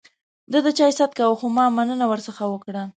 ده د چای ست کاوه ، خو ما مننه ورڅخه وکړه.